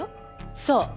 そう。